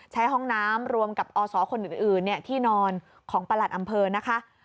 ใช้ห้องน้ำรวมกับอศคนอื่นที่นอนของประหลัดอำเภอนะคะ